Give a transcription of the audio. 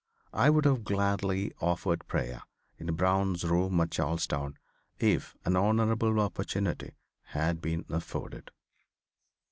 I would have gladly offered prayer in Brown's room at Charlestown if an honorable opportunity had been afforded.